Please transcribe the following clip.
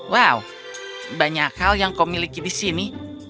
wow banyak hal yang kau miliki di sini